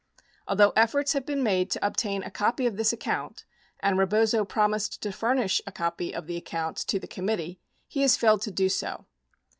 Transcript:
Although efforts have been made to obtain a copy of this account and Rebozo promised to furnish a copy of the account to the committee, he has failed to do so.